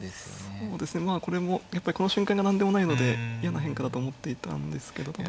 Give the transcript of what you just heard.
そうですねまあこれもやっぱりこの瞬間が何でもないので嫌な変化だと思っていたんですけどただ。